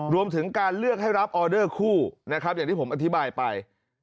รวมถึงการเลือกให้รับออเดอร์คู่นะครับอย่างที่ผมอธิบายไป